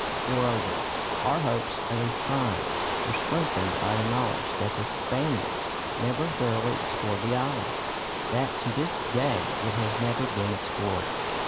Moreover our hopes of a "find" were strengthened by the knowledge that the Spaniards never thoroughly explored the island; that to this day it has never been explored.